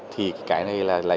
thì cái này là